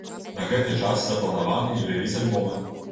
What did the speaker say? На гэты час запланаваны і рэліз альбома.